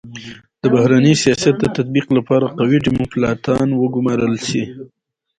د بهرني سیاست د تطبیق لپاره قوي ډيپلوماتان و ګمارل سي.